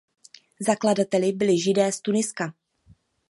Zakladateli byli Židé z Tuniska.